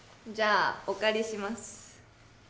じゃあお借りします。